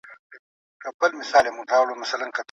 ستونزې حل کول د کورنۍ د پلار یوه دنده ده.